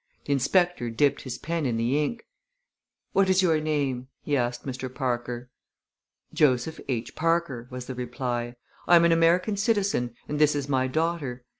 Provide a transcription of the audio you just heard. The inspector dipped his pen in the ink. "What is your name?" he asked Mr. Parker. "Joseph H. Parker," was the reply. "I am an American citizen and this is my daughter. Mr.